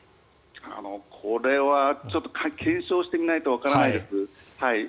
これはちょっと検証してみないとわからないです。